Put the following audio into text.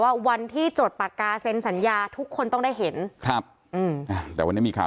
ว่าใครทำให้เราคุณไปสืบได้อะไรไงก็ต้องกลัวด้วยได้หรอก